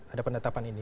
ada penetapan ini